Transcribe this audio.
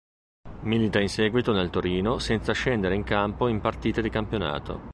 Milita in seguito nel Torino senza scendere in campo in partite di campionato.